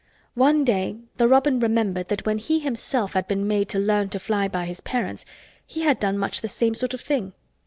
One day the robin remembered that when he himself had been made to learn to fly by his parents he had done much the same sort of thing.